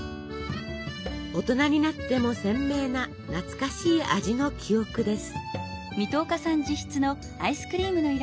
大人になっても鮮明な懐かしい味の記憶です。